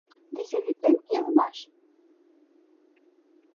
Веселитлен илымаш?